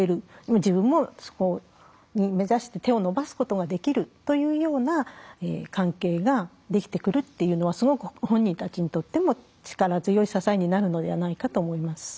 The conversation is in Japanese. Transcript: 自分もそこを目指して手を伸ばすことができるというような関係ができてくるっていうのはすごく本人たちにとっても力強い支えになるのではないかと思います。